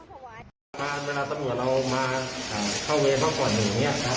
เวลาตำรวจเรามาเข้าเวรเท่าก่อนอย่างนี้